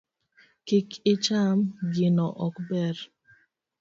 Kik icham gino, ok ober.